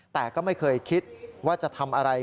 แต่ก็ไม่เคยคิดว่าจะทำอะไร